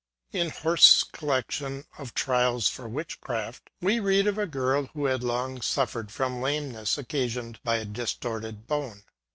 In Horst's collection of trials for witchcraft, we read of a girl who had long suffered from lameness, occasioned by a distorted bone.